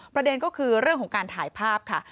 ประเด็นก็คือเรื่องของการถ่ายภาพค่ะ